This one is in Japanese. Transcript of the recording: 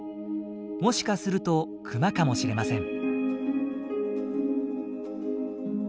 もしかするとクマかもしれません。